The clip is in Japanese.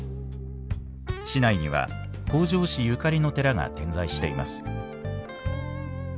市内には北条氏ゆかりの寺が点在しています。